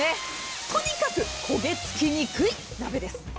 とにかく焦げ付きにくいわけです。